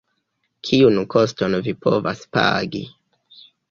Kiun koston vi povas pagi?